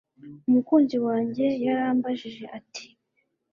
umukunzi wanjye yarambajije ati